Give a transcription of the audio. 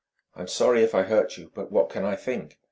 "I'm sorry if I hurt you. But what can I think?"